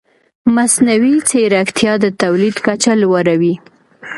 مصنوعي ځیرکتیا د تولید کچه لوړه وي.